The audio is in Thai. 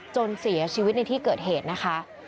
จนเสียชีวิตในที่เกิดเหตุนะคะ